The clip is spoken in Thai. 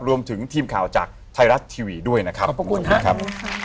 รวมถึงทีมข่าวจากไทยรัฐทีวีด้วยนะครับขอบคุณครับ